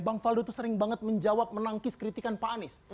bang faldo tuh sering banget menjawab menangkis kritikan pak anies